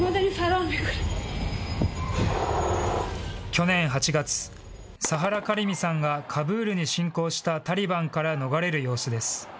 去年８月、サハラ・カリミさんがカブールに進攻したタリバンから逃れる様子です。